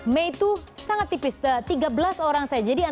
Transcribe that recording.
mei itu sangat tipis tiga belas orang saja